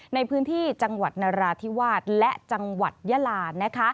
ในพื้นที่จังหวัดนราธิวาสและจังหวัดยาลานะคะ